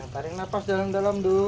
tarik napas dalam dalam du